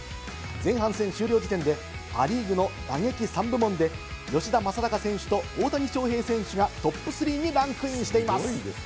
前半戦終了時点でア・リーグの打撃３部門で吉田正尚選手と大谷翔平選手がトップ３にランクインしています。